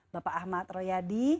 bapak ahmad royadi